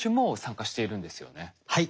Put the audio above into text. はい。